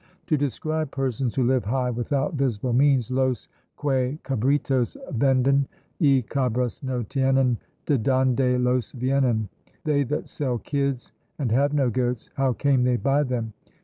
To describe persons who live high without visible means, Los que cabritos venden, y cabras no tienen, de donde los vienen? "They that sell kids, and have no goats, how came they by them?"